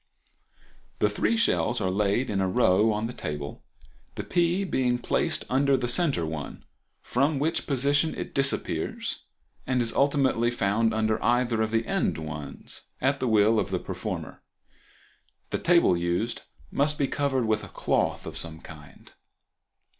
The three shells are laid in a row on the table, the pea being placed under the center one, from which position it disappears and is ultimately found under either of the end ones at the will of the performer. The table used must be covered with a cloth of some kind.